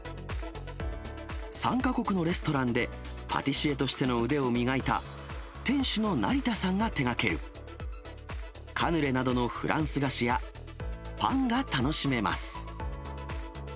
３か国のレストランでパティシエとしての腕を磨いた店主の成田さんが手がける、カヌレなどのフランス菓子や、パンが楽しめます。